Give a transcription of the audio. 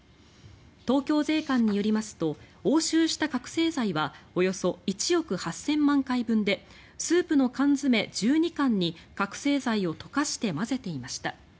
東京税関によりますと押収した覚醒剤はおよそ１億８０００万回分でスープの缶詰１２缶に覚醒剤を溶かして混ぜていました。